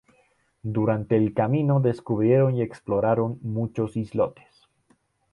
Durante el camino descubrieron y exploraron muchos islotes.